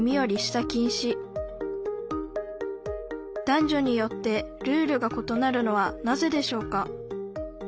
男女によってルールがことなるのはなぜでしょうか？